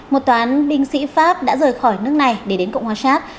một toán binh sĩ pháp đã rời khỏi nước này để đến cộng hòa sát